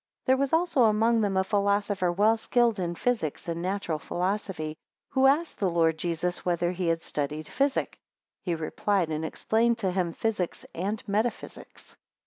11 There was also among them a philosopher well skilled in physic and natural philosophy, who asked the Lord Jesus, Whether he had studied physic? 12 He replied, and explained to him physics and metaphysics.